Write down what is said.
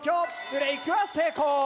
ブレイクは成功。